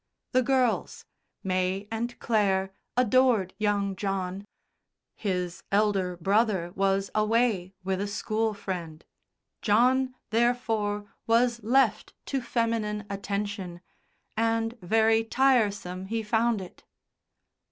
The girls, May and Clare, adored young John. His elder brother was away with a school friend. John, therefore, was left to feminine attention, and very tiresome he found it.